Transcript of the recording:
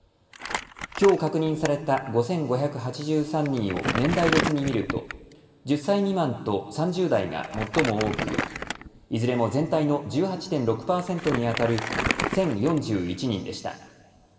きょう確認された５５８３人を年代別に見ると１０歳未満と３０代が最も多くいずれも全体の１８．６％にあたる１０４１人でした。